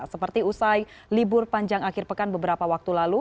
seperti usai libur panjang akhir pekan beberapa waktu lalu